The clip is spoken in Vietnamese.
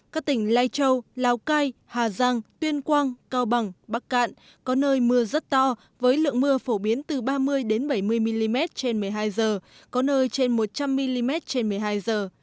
các tỉnh lai châu lào cai hà giang tuyên quang cao bằng bắc cạn có nơi mưa rất to với lượng mưa phổ biến từ ba mươi bảy mươi mm trên một mươi hai giờ có nơi trên một trăm linh mm trên một mươi hai giờ